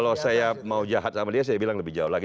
kalau saya mau jahat sama dia saya bilang lebih jauh lagi